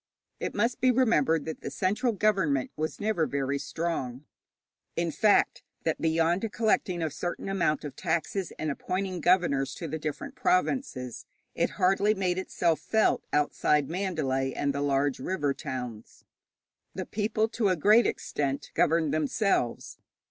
It must be remembered that the central government was never very strong in fact, that beyond collecting a certain amount of taxes, and appointing governors to the different provinces, it hardly made itself felt outside Mandalay and the large river towns. The people to a great extent governed themselves.